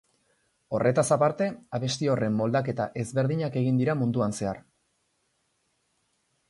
Horretaz aparte, abesti horren moldaketa ezberdinak egin dira munduan zehar.